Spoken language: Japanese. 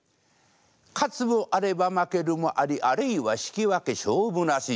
勝つもあれば負けるもありあるいは引き分け勝負なし。